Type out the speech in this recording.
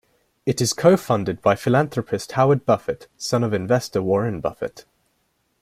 It is co-funded by philanthropist Howard Buffett son of investor Warren Buffett.